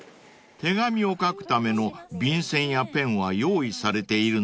［手紙を書くための便箋やペンは用意されているんですね］